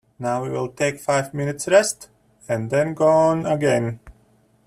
Now we will take five minutes' rest, and then go on again.